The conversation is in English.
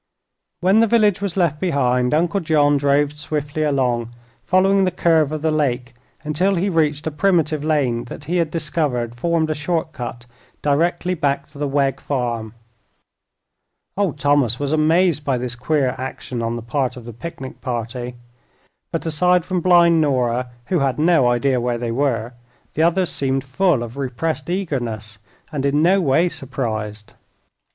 When the village was left behind, Uncle John drove swiftly along, following the curve of the lake until he reached a primitive lane that he had discovered formed a short cut directly back to the Wegg farm. Old Thomas was amazed by this queer action on the part of the picnic party, but aside from blind Nora, who had no idea where they were, the others seemed full of repressed eagerness, and in no way surprised.